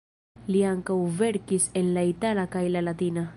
Li ankaŭ verkis en la itala kaj la latina.